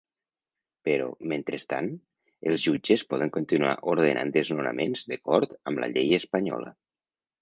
Però, mentrestant, els jutges poden continuar ordenant desnonaments d’acord amb la llei espanyola.